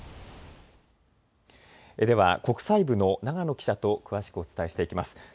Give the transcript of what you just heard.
では国際部の長野記者と詳しくお伝えしていきます。